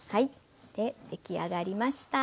で出来上がりました。